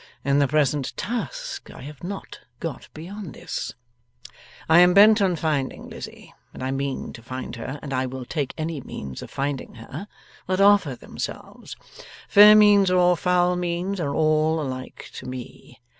In the present task I have not got beyond this: I am bent on finding Lizzie, and I mean to find her, and I will take any means of finding her that offer themselves. Fair means or foul means, are all alike to me.